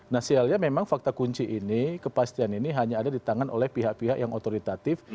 nah sialnya memang fakta kunci ini kepastian ini hanya ada di tangan oleh pihak pihak yang otoritatif